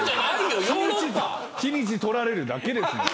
日にち取られるだけですもん。